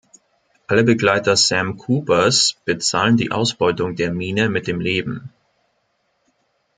Alle Begleiter Sam Coopers bezahlen die Ausbeutung der Mine mit dem Leben.